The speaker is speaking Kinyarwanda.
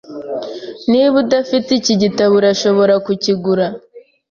Niba udafite iki gitabo, urashobora kukigura.